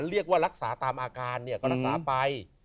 เรียกว่ารักษาตามอาการก็รักษาไป